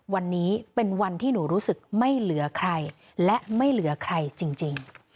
วันนี้เป็นวันที่หนูรู้สึกไม่เหลือใครและไม่เหลือใครจริง